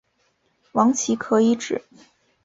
王祺可以指